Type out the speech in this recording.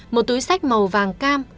một túi sách màu vàng cam